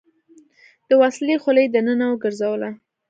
د وسلې خوله يې دننه وګرځوله.